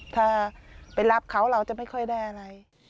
ถ้าไปรับเขาเราจะไม่ค่อยได้อะไร